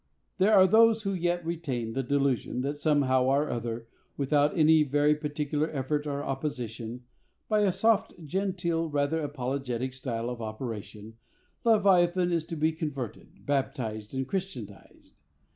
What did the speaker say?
There are those who yet retain the delusion that, somehow or other, without any very particular effort or opposition, by a soft, genteel, rather apologetic style of operation, Leviathan is to be converted, baptized and Christianized.